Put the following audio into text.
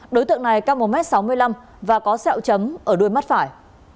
đối tượng này cao một m sáu mươi năm và có sẹo chấm ở đuôi mắt phải